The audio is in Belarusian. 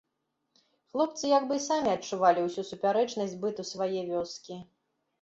Хлопцы як бы і самі адчувалі ўсю супярэчнасць быту свае вёскі.